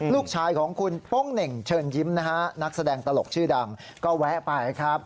ลูกชายของคุณโป้งเหน่งเชิญยิ้มนะฮะนักแสดงตลกชื่อดังก็แวะไปครับ